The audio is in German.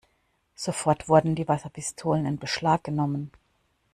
Sofort wurden die Wasserpistolen in Beschlag genommen.